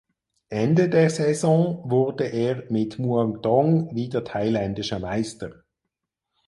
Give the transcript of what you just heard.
Ende der Saison wurde er mit Muangthong wieder thailändischer Meister.